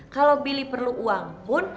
kalau billy perlu uang pun